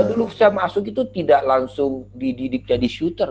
dulu saya masuk itu tidak langsung dididik jadi shooter